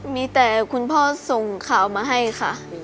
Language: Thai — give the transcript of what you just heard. มีแต่คุณพ่อส่งข่าวมาให้ค่ะ